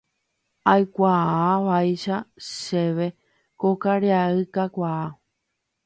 Aikuaávaicha chéve ko karia'y kakuaa